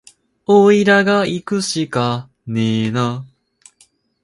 おいらがいくしかねえな